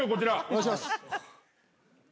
お願いします。